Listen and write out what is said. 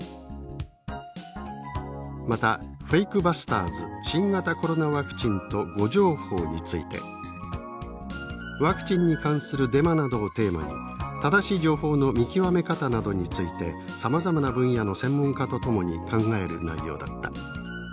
またフェイク・バスターズ「新型コロナワクチンと誤情報」について「ワクチンに関するデマなどをテーマに正しい情報の見極め方などについてさまざまな分野の専門家と共に考える内容だった。